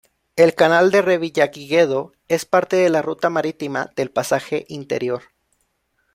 El canal de Revillagigedo es parte de la ruta marítima del Pasaje Interior.